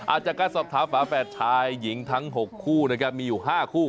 อาจจะการสอบถามฝาแฝดทายหญิงทั้ง๖คู่มีอยู่๕คู่